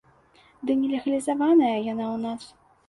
Ды не легалізаваная яна ў нас!